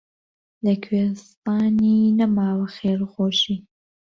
لە کوێستانی نەماوە خێر و خۆشی